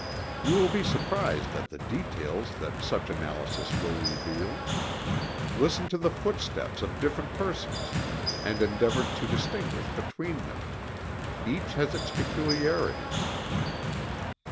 You will be surprised at the details that such analysis will reveal. Listen to the footsteps of different persons and endeavor to distinguish between them each has its peculiarities.